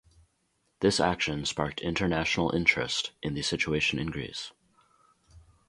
This action sparked international interest in the situation in Greece.